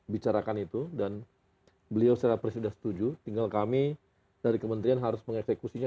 bicarakan itu dan beliau secara persis sudah setuju tinggal kami dari kementrian harus mengeksekusinya